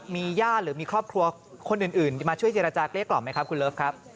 มีญาติหรือมีครอบครัวคนอื่นมาช่วยเจรจาเกล้กหรอไหมครับ